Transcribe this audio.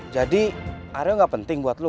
jadi aryo nggak penting buat lo